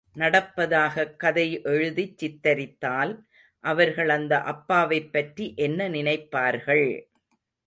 நடப்பதாகக் கதை எழுதிச் சித்திரித்தால் அவர்கள் அந்த அப்பாவைப் பற்றி என்ன நினைப்பார்கள்.